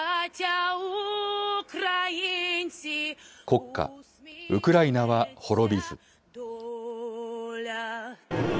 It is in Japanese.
国歌、ウクライナは滅びず。